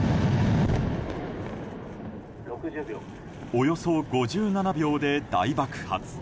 およそ５７秒で大爆発。